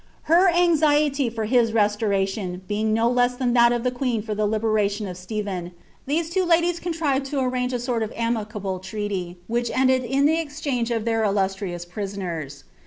U« aniieiy for his rcstorBiion being no less than that of the queen fof ibt libemtion of Stephen, these two ladies contrived to arrange a sort rf amicable treaty, which ended in the exchange of their illusiHou* pB soners.'